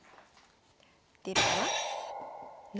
出るかな？